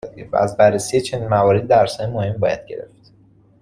و از بررسی چنین مواردی درسهای مهمی باید گرفت.